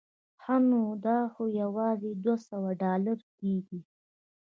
ښه نو دا خو یوازې دوه سوه ډالره کېږي.